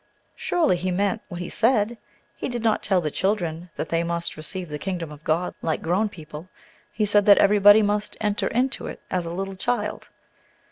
Surely He meant what He said. He did not tell the children that they must receive the kingdom of God like grown people; He said that everybody must enter into it "as a little child."